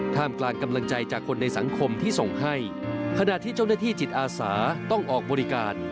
ท่ามกลางกำลังใจจากคนในสังคมที่ส่งให้ขณะที่เจ้าหน้าที่จิตอาสาต้องออกบริการ